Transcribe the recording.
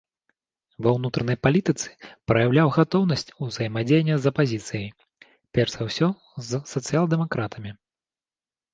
Ва ўнутранай палітыцы праяўляў гатоўнасць ўзаемадзеяння з апазіцыяй, перш за ўсё з сацыял-дэмакратамі.